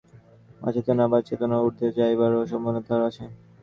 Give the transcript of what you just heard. মানুষ অনেকটা চেতন, কিছুটা অচেতন আবার চেতনের ঊর্ধ্বে যাইবারও সম্ভাবনা তাহার আছে।